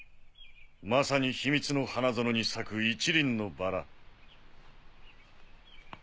まさに秘密の花園に咲く１輪のバラ。